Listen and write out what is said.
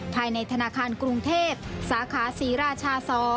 ภายในธนาคารกรุงเทพสาขาศรีราชา๒